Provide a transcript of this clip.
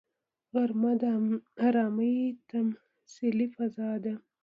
غرمه د ارامي تمثیلي فضا ده